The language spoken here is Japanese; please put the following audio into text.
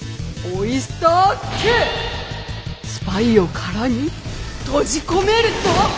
スパイを殻に閉じ込めるぞ！